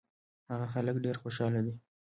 هغه خلک ډېر خوشاله دي.